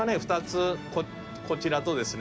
こちらとですね